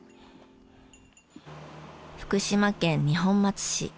福島県二本松市。